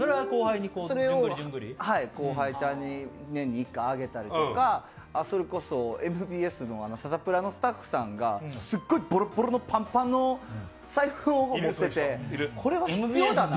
それを後輩ちゃんに年に１回あげたりとか、それこそＭＢＳの「サタプラ」のスタッフさんがすっごいボロボロのパンパンの財布を持っててこれは必要だなと。